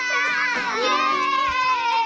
イエイ！